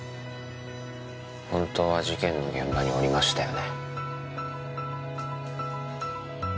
本当は事件の現場におりましたよね？